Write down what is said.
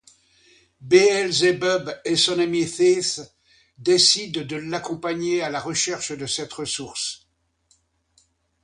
Beelzebub et son ami Thief décident de l’accompagner à la recherche de cette ressource.